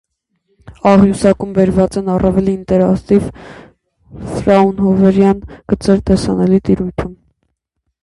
Աղյուսակում բերված են առավել ինտենսիվ ֆրաունհոֆերյան գծեր տեսանելի տիրույթում։